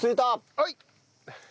はい！